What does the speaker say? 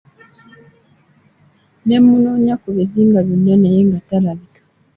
Ne munonya ku bizinga byonna naye nga talabika